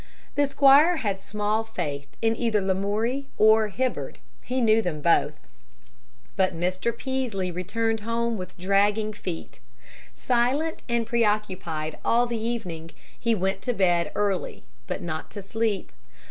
The squire had small faith in either Lamoury or Hibbard. He knew them both. But Mr. Peaslee returned home with dragging feet. Silent and preoccupied all the evening, he went to bed early but not to sleep.